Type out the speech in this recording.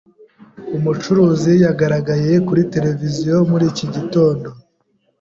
Umucuruzi yagaragaye kuri tereviziyo muri iki gitondo.